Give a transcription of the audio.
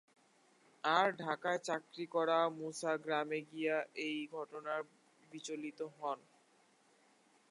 আর ঢাকায় চাকরি করা মুসা গ্রামে গিয়ে এই ঘটনায় বিচলিত হন।